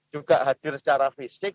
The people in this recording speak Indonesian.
juga hadir secara fisik